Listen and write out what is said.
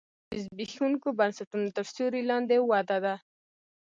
دا د زبېښونکو بنسټونو تر سیوري لاندې وده ده